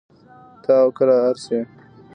تۀ او کله ار سې